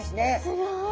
すごい。